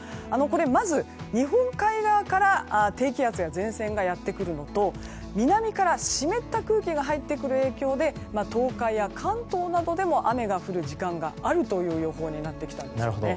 まず、日本海側から低気圧や前線がやってくるのと南から湿った空気が入ってくる影響で東海や関東などでも雨が降る時間があるという予報になってきたんです。